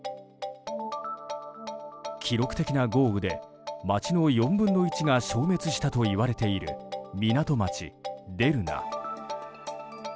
記録的な豪雨で、町の４分の１が消滅したといわれている港町デルナ。